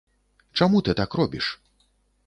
Чаму ты так робіш?